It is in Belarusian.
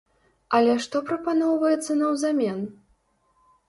Але што прапаноўваецца наўзамен?